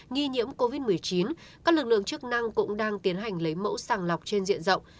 nghi nhiễm covid một mươi chín các lực lượng chức năng cũng đang tiến hành lấy mẫu sàng lọc trên diện rộng